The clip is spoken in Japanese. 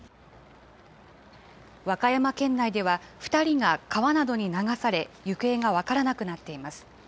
和歌山県内では、２人が川などに流され、行方が分からなくなっています。